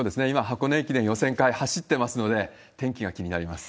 箱根駅伝予選会走ってますので、天気が気になります。